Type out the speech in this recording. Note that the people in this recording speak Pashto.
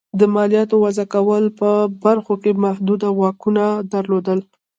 د مالیاتو وضعه کولو په برخو کې محدود واکونه درلودل.